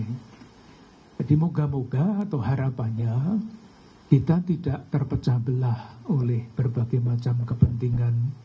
jadi moga moga atau harapannya kita tidak terpecah belah oleh berbagai macam kepentingan